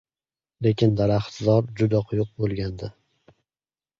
Lekin daraxtzor juda quyuq bo‘lgan-da.